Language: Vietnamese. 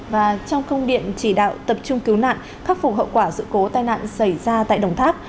và trong công điện chỉ đạo tập trung cứu nạn khắc phục hậu quả sự cố tai nạn xảy ra tại đồng tháp